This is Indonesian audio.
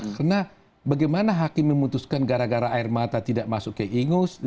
karena bagaimana hakim memutuskan gara gara air mata tidak masuk ke ingus